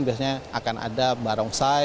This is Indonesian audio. biasanya akan ada barongsai